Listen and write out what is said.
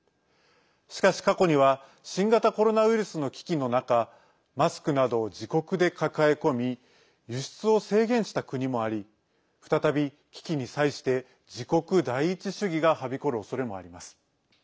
しかし、過去には新型コロナウイルスの危機の中マスクなどを自国で抱え込み輸出を制限した国もあり再び危機に際して自国第一主義がはびこるおそれもあります。